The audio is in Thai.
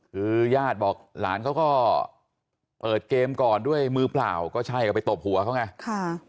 คือญาติบอกหลานเขาก็เปิดเกมก่อนด้วยมือเปล่าก็ใช่ก็ไปตบหัวเขาไง